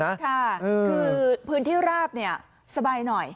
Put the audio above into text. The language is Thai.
คือพื้นที่ราบสบายหน่อย